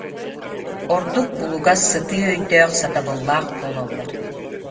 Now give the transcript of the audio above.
Ордук булугас, сытыы өйдөөх, сатабыллаах буолаллар